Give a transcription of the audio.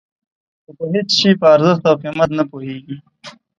خو په هېڅ شي په ارزښت او قیمت نه پوهېږي.